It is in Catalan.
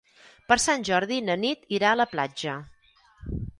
Per Sant Jordi na Nit irà a la platja.